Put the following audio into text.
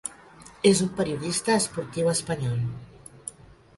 És un periodista esportiu espanyol.